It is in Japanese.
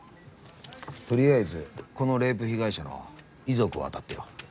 とりあえずこのレイプ被害者の遺族を当たってよ。